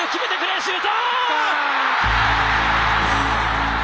シュート！